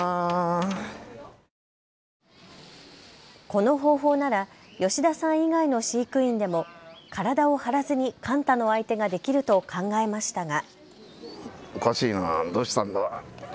この方法なら吉田さん以外の飼育員でも体を張らずにカンタの相手ができると考えましたが。